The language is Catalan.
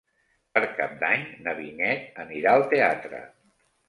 Per Cap d'Any na Vinyet anirà al teatre.